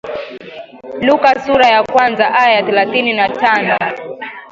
Luka sura ya kwanza aya ya thelathini na tano